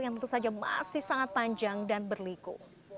yang tentu saja masih sangat panjang dan berliku